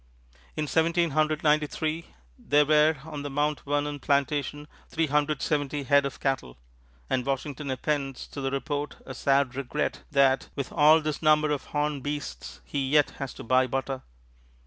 In Seventeen Hundred Ninety three there were on the Mount Vernon plantation three hundred seventy head of cattle, and Washington appends to the report a sad regret that, with all this number of horned beasts, he yet has to buy butter.